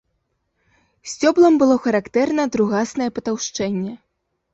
Сцёблам было характэрна другаснае патаўшчэнне.